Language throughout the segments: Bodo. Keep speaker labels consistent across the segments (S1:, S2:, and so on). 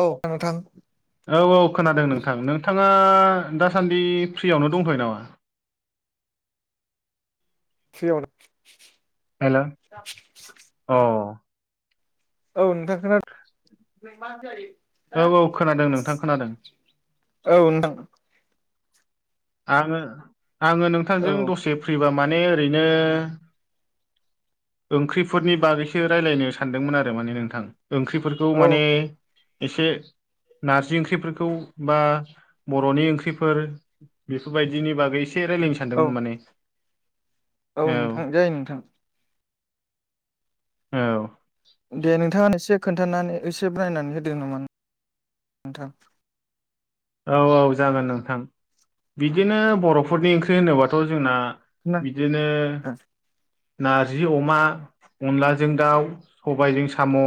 S1: औ नोंथां।
S2: औ औ खोनादों नोंथां। नोंथाङा दासान्दि फ्रियावनो दंथ'यो नामा?
S1: फ्रियावनो
S2: हेल' अह!
S1: औ नोंथां खोनादों।
S2: औ औ खोनादों नोंथां खोनादों।
S1: औ नोंथां।
S2: आङो आङो नोंथांजों
S1: औ
S2: दसे फ्रिबा माने ओरैनो ओंख्रिफोरनि बागैसो रायलायनो सानदोंमोन आरो माने नोंथां ओंख्रिफोरखौ
S1: औ
S2: माने एसे नारजि ओंख्रिफोरखौ बा बर'नि ओंख्रिफोर बेफोरबायदिनि बागै एसे रायलायनो
S1: औ
S2: सानदोंमोन माने
S1: औ नोंथां जायो नोंथां।
S2: औ।
S1: दे नोंथाङा एसे खोन्थानानै एसे ब्रायनानै होदो नामा नोंथां
S2: औ औ जागोन नोंथां बिदिनो बर'फोरनि ओंख्रि होनोबाथ' जोंना
S1: ना
S2: बिदिनो नारजि अमा अनलाजों दाउ सबायजों साम'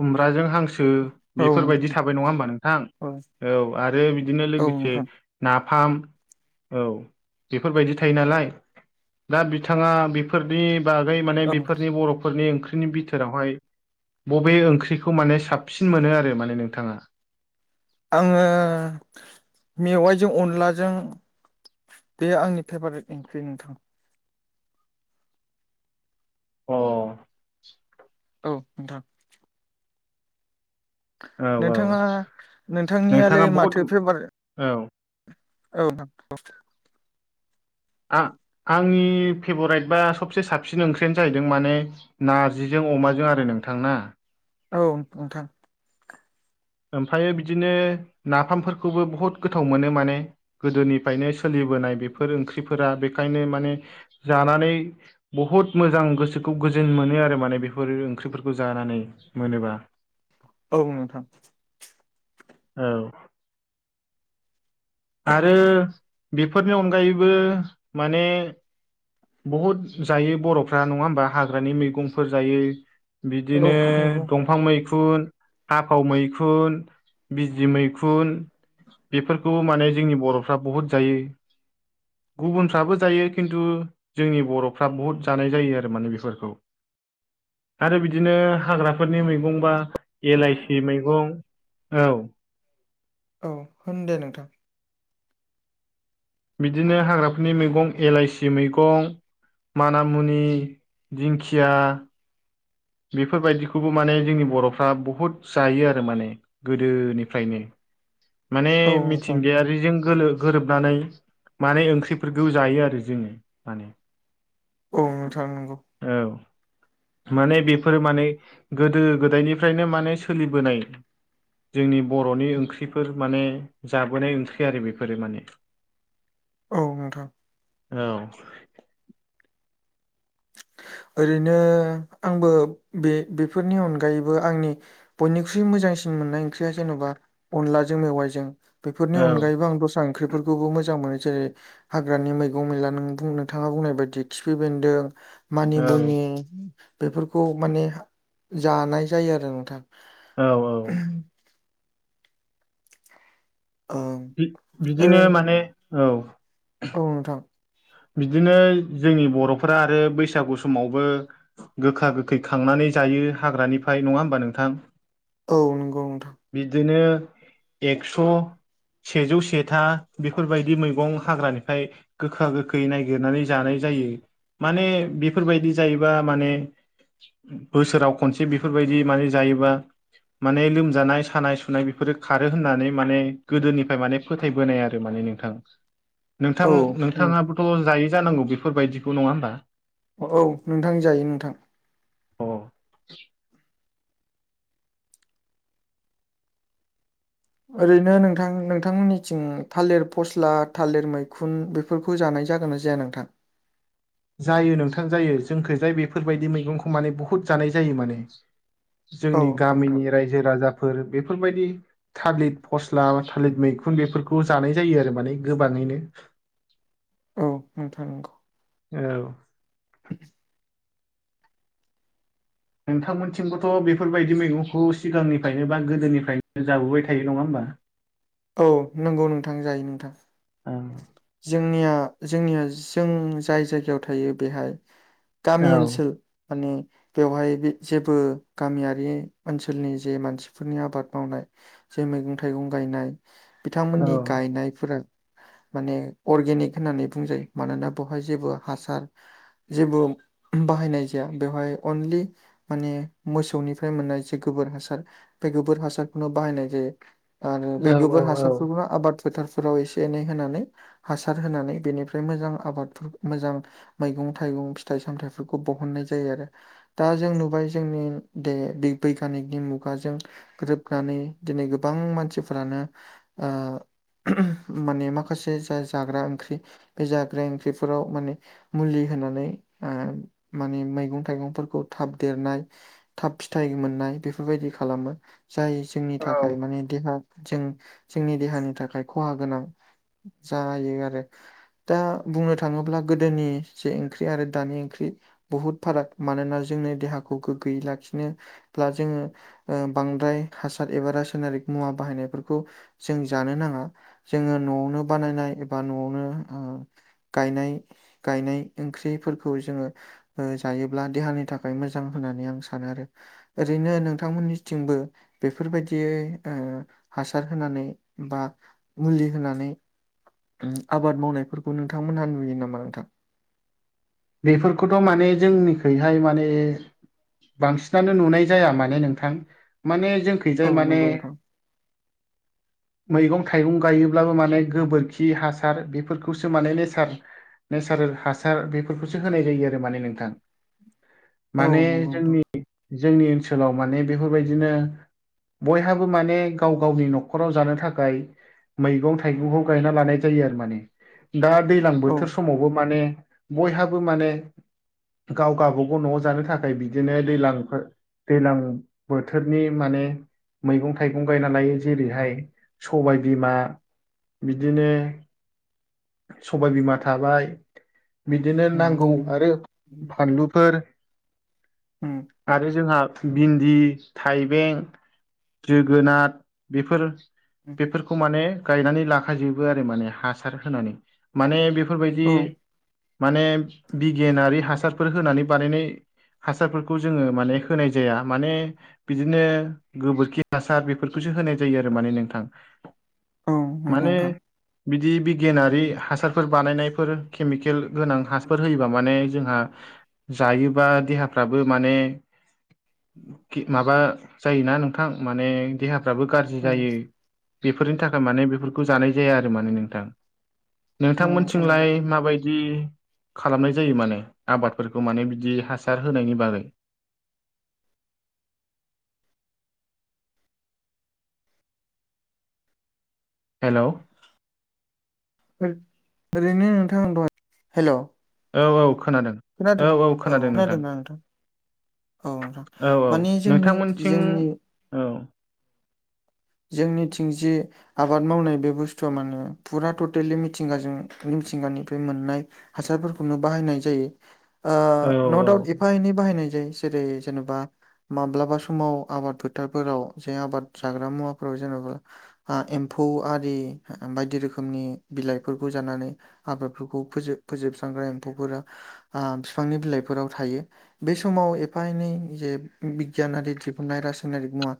S2: खुमब्राजों हांसो
S1: औ नोंथां
S2: बेफोरबायदि थाबाय नङा होमबा नोंथां। औ आरो बिदिनो
S1: औ
S2: लोगोसे
S1: नोंथां
S2: नाफाम औ बेफोरबायदि थायो नालाय दा बिथाङा बेफोरनि बागै माने
S1: औ नोंथां
S2: बेफोरनि बर'फोरनि ओंख्रिनि बि [unintelligible] बबे ओंख्रिखौ माने साबसिन मोनो आरो माने नोंथाङा।
S1: आङो मेवाइजों अनलाजों बे आंनि फेभारेट ओंख्रि नोंथां।
S2: अ
S1: औ नोंथां।
S2: औ औ
S1: नोंथाङा
S2: नोंथाङा
S1: नोंथांनियालाय
S2: बहुद
S1: माथो फेभारेट
S2: औ।
S1: औ नंगौ,
S2: आ-आंनि फेभरेट बा सबसे साबसिन ओंख्रियानो जाहैदों माने नारजि जों अमाजों आरो नोंथां ना।
S1: औ नोंथां।
S2: ओमफाय बिदिनो नाफामफोरखौबो बहुत गोथाव मोनो माने गोदोनिफायनो सोलिबोनाय बेफोर ओंख्रिफोरा बेखायनो माने जानानै बहुत मोजां गोसोखौ गोजोन मोनो आरो माने बेफोर ओंख्रिफोरखौ जानानै मोनोबा।
S1: औ नोंथां।
S2: औ। आरो बेफोरनि अनगायैबो माने बहुद जायो बर'फ्रा नङा होमबा हाग्रानि मैगंफोर जायो।
S1: औ
S2: बिदिनो
S1: नंगौ
S2: दं फां मैखुन हाफाव मैखुन बिजि मैखुन बेफोरखौ माने जोंनि बर'फ्रा बहुद जायो। गुबुनफ्राबो जायो खिन्थु जोंनि बर'फ्रा बुहुत जानाय जायो आरो माने बेफोरखौ। आरो बिदिनो हाग्राफोरनि मैगं बा एलाइसि मैगं औ।
S1: औ होन दे नोंथां।
S2: बिदिनो हाग्राफोरनि मैगं एलाइसि मैगं माना मुनि दिंखिया बेफोरबायदिखौबो माने जोंनि बर'फ्रा बहुद जायो आरो माने गोदोनिफ्रायनो माने
S1: औ नोंथां
S2: मिथिंगाया [unintelligible] गोरोबनानै माने ओंख्रिफोरखौ जायो आरो जोङो माने [inaudible]
S1: औ नोंथां नंगौ।
S2: औ माने बे फोर माने गोदो गोदायनिफ्रायनो माने सोलिबोनाय। जोंनि बर'नि ओंख्रिफोर माने जाबोनाय ओंख्रि आरो बेफोरो माने [inaudible]
S1: औ नोंथां।
S2: औ।
S1: ओरैनो आंबो बे बेफोरनि अनगायैबो आंनि बयनिख्रुइ मोजांसिन मोननाय ओंख्रिया जेन'बा अनलाजों मेवाइजों बेफोरनि
S2: औ
S1: अनगायैबो आं दस्रा ओंख्रिफोरखौबो मोजां मोनो जेरै हाग्रानि मैगं मैला नोंथाङा बुंनाय बायदि खिफि बेन्दों मानि
S2: औ
S1: बुनि बेफोरखौ माने जानाय जायो आरो नोंथां
S2: औ औ
S1: [unintelligible] ओं
S2: बि-बिदिनो
S1: ओरै
S2: माने औ
S1: औ नोंथां
S2: बिदिनो जोंनि बर'फोरा आरो बैसागु समावबो गोखा गोखै खांनानै जायो हाग्रानिफ्राय नङा होमबा नोंथां
S1: औ गौ नोंथां
S2: बिदिनो एकस' सेजौ सेथा बेफोरबायदि मैगं हाग्रानिफ्राय गोखा गो खै नायगिरनानै जानाय जायो माने बेफोरबायदि जायोबा माने बोसोराव खनसे बेफोरबायदि माने जायोबा माने लोमजानाय सानाय सुनाय बेफोरो खारो होननानै माने गोदोनिफ्राय माने फोथैबोनाय आरो माने नोंथां। नोंथां
S1: औ नोंथां
S2: नोंथाङाबोथ' जायो जानांगौ बेफोरबायदिखौ नङा होमबा
S1: औ नोंथां जायो नोंथां
S2: अ
S1: ओरैनो नोंथां नोंथांमोननिथिं थालिर फस्ला थालिर मैखुन बे फोरखौ जानाय जागोन ना जाया नोंथां?
S2: जायो नोंथां जायो जोंखैजाय बेफोरबायदि मैगंखौ माने बुहुत जानाय जायो माने।
S1: औ
S2: जोंनि
S1: नोंथां
S2: गामिनि रायजो राजाफोर बेफोरबायदि थालिर फस्ला थालिर मैखुन बेफोरखौ जानाय जायो आरो माने गोबाङैनो।
S1: औ नोंथां नंगौ
S2: औ
S1: [inaudible]
S2: नोंथांमोनथिंबोथ' बेफोरबायदि मैगंखौ सिगांनिफ्रायनो बा गोदोनिफ्रायनो जाबोबाय थायो नङा होमबा
S1: औ नंगौ नोंथां जायो नोंथां
S2: औ
S1: जोंनिया जोंनिया जों जाय जायगायाव थायो बेहाय गामि
S2: औ
S1: ओनसोल माने बेवहाय बे जेबो गामियारि ओनसोलनि जे मानसिफोरनि आबाद मावनाय जे मैगं थाइगं गायनाय बिथांमोननि
S2: औ
S1: गायनायफोरा माने अर्गेनिक होननानै बुंजायो मानोना बेवहाय जेबो हासार जेबो बाहायनाय जाया बेवहाय अनलि माने मोसौनिफ्राय मोननाय जे गोबोर हासार बे गोबोर हासारखौनो बाहायनाय जायो आरो बे
S2: औ
S1: गोबोर
S2: औ औ
S1: हासारफोरखौनो आबाद फोथारफोराव एसे एनै होनानै हासार होनानै बेनिफ्राय मोजां आबादफोर मोजां मैगं थाइगं फिथाइ सामथाइफोरखौ बहननाय जायो आरो दा जों नुबाय जोंनि दे बे बैगानिकनि मुगाजों ग्रोबनानै दिनै गोबां मानसिफोरानो ओ माने माखासे जा जाग्रा ओंख्रि बे जाग्रा ओंख्रिफोराव माने मुलि होनानै ओ माने मैगं थाइगंफोरखौ थाब देरनाय थाब फिथाइ मोननाय बेफोरबायदि खालामो जाय जोंनि
S2: औ
S1: थाखाय माने देहा जों जोंनि देहानि थाखाय खहा गोनां जायो आरो दा बुंनो थाङोब्ला गोदोनि जे ओंख्रि आरो दानि ओंख्रि बहुद फाराग मानोना जोंनो देहाखौ गोग्गोयै लाखिनो जोङो बांद्राय हासार एबा रासायनारिक मुवा बाहायनायफोरखौ जों जानो नाङा जोङो न'आवनो बानायनाय एबा न'आवनो गायनाय गायनाय ओंख्रिफोरखौ जोङो जायोब्ला देहानि थाखाय मोजां होननानै आं सानो आरो। ओरैनो नोंथांमोननिथिंबो बेफोरबायदियै ओ हासार होनानै बा मुलि होनानै आबाद मावनायफोरखौ नोंथांमोनहा नुयो नामा नोंथां।
S2: बेफोरखौथ' माने जोंनिखैहाय माने बांसिनानो नुनाय जाया माने नोंथां माने जोंखैजाय
S1: औ
S2: माने
S1: नंगौ
S2: [inaudible]
S1: नोंथां
S2: मैगं थाइगं गायोब्लाबो माने गोबोरखि हासार बेफोरखौसो माने नेचार नेचारेल हासार बेफोरखौसो होनाय जायो आरो माने नोंथां
S1: औ
S2: माने
S1: नंगौ नोंथां
S2: जोंनि जोंनि ओनसोलाव माने बेफोरबायदिनो बयहाबो माने गाव गावनि न'खराव जानो थाखाय मैगं थाइगंखौ गायना लानाय जायो आरो माने दा दैजलां
S1: औ
S2: बोथोर समावबो माने बयहाबो माने गाव गबागाव न'आव जानो थाखाय बिदिनो दैज्लांफोर दैलां बोथोरनि माने मैगं थाइगं गायना लायो जेरैहाय सबाय बिमा बिदिनो सबाय बिमा थाबाय बिदिनो
S1: उम
S2: नांगौ
S1: उम
S2: आरो फानलुफोर
S1: उम
S2: आरो जोंहा भिन्दि थाइबें जोगोनार बेफोर
S1: उम
S2: बेफोरखौ माने गायनानै लाखाजोबो आरो माने हासार होनानै। माने बेफोरबायदि
S1: औ
S2: माने बिगियानारि हासारफोर होनानै बानायनाय हासारफोरखौ जोङो माने होनाय जाया माने बिदिनो गोबोरखि हासार बेफोरखौसो होनाय जायो आरो माने नोंथां।
S1: औ नंगौ
S2: माने
S1: नोंथां
S2: बिदि बिगियानारि हासारफोर बानायनायफोर केमिकेल गोनां हासफोर होयोबा माने जोंहा जायोबा देहाफ्राबो माने माबा जायोना नोंथां माने देहाफ्राबो गाज्रि
S1: उम
S2: जायो बेफोरनि थाखाय माने बेफोरखौ जानाय जाया आरो माने नोंथां।
S1: उम नोंथां
S2: नोंथांमोनथिंलाय
S1: नंगौ
S2: माबायदि खालामनाय जायो माने आबादफोरखौ माने बिदि हासार होनायनि बागै हेल'
S1: ओरैनो नोंथां दहाय हेल'
S2: औ औ खोनादों औ औ खोनादों नोंथां।
S1: औ नोंथां
S2: औ औ
S1: माने जोंनि
S2: नोंथांमोनथिं
S1: जोंनि
S2: औ
S1: जोंनिथिंजि आबाद मावनाय बे बुस्थुआ माने फुरा टटेलि मिथिंगाजों मिथिंगानिफ्राय मोननाय हासारफोरखौनो बाहायनाय जायो
S2: औ
S1: न दाउत एफा एनै बाहायनाय जायो जेरै जेनेबा माब्लाबा समाव आबाद फोथारफोराव जे आबाद जाग्रा मुवाफोराव जेन'बा एम्फौ आरि बायदि रोखोमनि बिलाइफोरखौ जानानै आबादफोरखौ फोोब फोजोबस्रांग्रा एम्फौफोरा बिफांनि बिलाइफोराव थायो। बे समाव एफा एनै जे बिगियानारि दिहुननाय रासायनारिक मुवा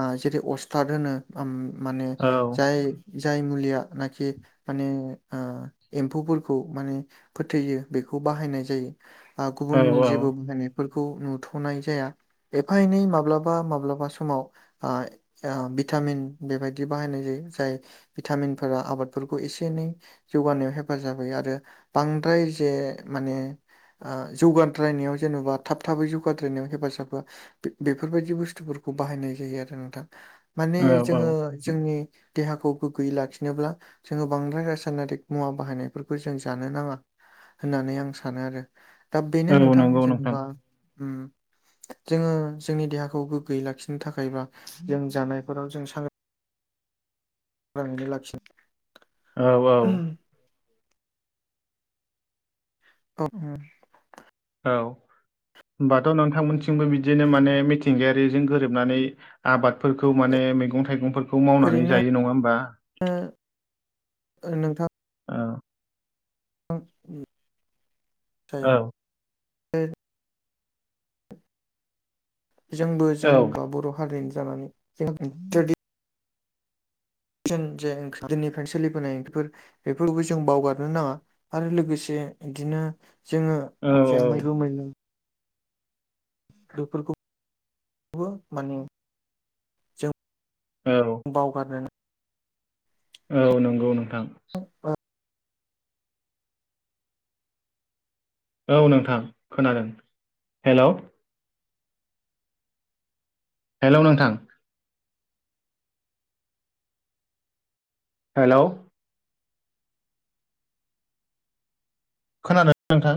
S1: ओं जेरै अस्थाद होनो ओम माने
S2: औ
S1: जाय जाय मुलिया नखि माने एम्फौफोरखौ माने फोथैयो बेखौ बाहायनाय जायो गुबुन
S2: औ
S1: जेबो बाहायनाय फोरखौ नुथ'नाय जाया एफा एनै माब्लाबा माब्लाबा समाव भिटामिन बेबायदि बाहायनाय जायो जाय भिटामिनफोरा आबादफोरखौ एसे एनै जौगानायाव हेफाजाब होयो आरो बांद्राय जे माने ओ जौगाद्रायनायाव जेन'बा थाब थाबै जौगाद्रायनायाव हेफाजाब होया। बेफोरबायदि बुस्थुफोरखौ बाहायनाय जायो आरो नोंथां। माने
S2: औ औ
S1: जोंङो जोंनि देहाखौ गोग्गोयै लाखिनोब्ला जोंङो बांद्राय रासायनारिक मुवा बाहायनायफोरखौ जों जानो नाङा होननानै आं सानो आरो। दा बेनो
S2: औ
S1: नोंथां
S2: नंगौ नोंथां
S1: जेनेबा ओम जोंङो जोंनि देहाखौ गोग्गोयै लाखिनो थाखायबा जों जानायफोराव जों सां बांद्राय लाखि
S2: औ औ
S1: औ ओं
S2: औ होनोमबाथ' नोंथांमोनथिंबो बिदिनो माने मिथिंगायारिजों गोरोबनानै आबादफोरखौ माने मैगं थाइगंफोरखौ मावनानै जायो नङा होमबा।
S1: ओ ओनोंथां
S2: औ
S1: [unintelligible] जाय
S2: ओं।
S1: जोंबो
S2: औ
S1: जोंनि बर' हारिनि जानानै जों जों जेनिफ्राय सोलिबोनाय बेफोर बेफोरखौ जों बावगारनो नाङा आरो लोगोसे बिदिनो जोंङो
S2: औ। औ
S1: मैगं मैला बेफोरखौ‌ बो माने जों
S2: औ।
S1: बावगारनो
S2: औ नंगौ नोंथां।
S1: अ
S2: औ नोंथां खोनादों हेल'। हेल' नोंथां। हेल'। खोनादों नोंथां?